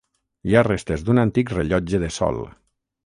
Hi ha restes d'un antic rellotge de sol.